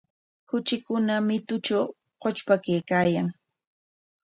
Kuchikuna mitutraw qutrpaykaayan.